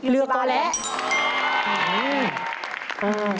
เลือกต่อแล้ว